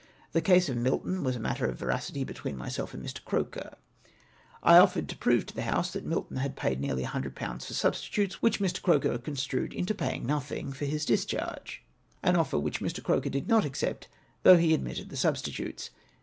The case of Mlton was n. matter of veracity between myself and Mr. Croker. I offered to prove to the House that Milton had 2^ aid nearly 100/. for substitutes, wliicli Mr. Croker construed into paying nothing, for his discharge, an offer which Mi . Croker did not accept, though he admitted the substitutes!